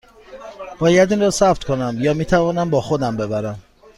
باید این را ثبت کنم یا می توانم با خودم ببرم؟